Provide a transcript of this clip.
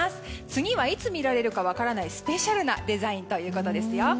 次はいつ見られるか分からない、スペシャルなデザインということですよ。